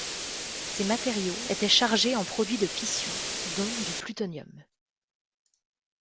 Ces matériaux étaient chargés en produits de fission, dont du plutonium.